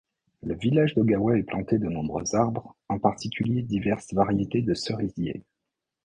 Le village d'Ogawa est planté de nombreux arbres, en particulier diverses variétés de cerisiers.